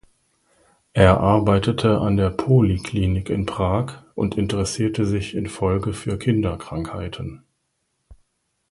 Er arbeitete an der Poliklinik in Prag und interessierte sich in Folge für Kinderkrankheiten.